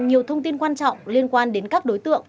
nhiều thông tin quan trọng liên quan đến các đối tượng